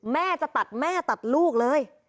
แม่จะตัดแม่ตัดลูกเลย